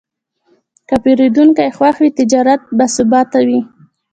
که پیرودونکی خوښ وي، تجارت باثباته وي.